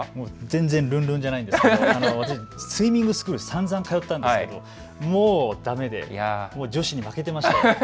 全然るんるんじゃないんですけど私、スイミングスクールさんざん通ったんですけどだめで女子に負けてました。